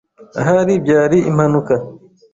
Ahari byari impanuka.